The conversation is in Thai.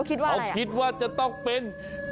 เขาคิดว่าจะต้องเป็น